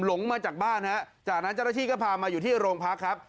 หลงมาจากบ้านจากนั้นแจราธิก็พามาอยู่ที่โรงพักศ์ครับ